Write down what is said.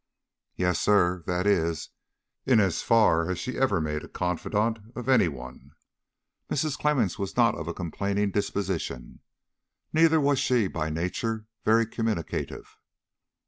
"Yes, sir; that is, in as far as she ever made a confidant of any one. Mrs. Clemmens was not of a complaining disposition, neither was she by nature very communicative.